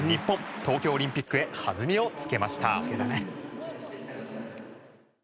東京オリンピックへはずみをつけました。